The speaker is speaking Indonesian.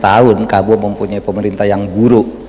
dua puluh tahun kamu mempunyai pemerintah yang buruk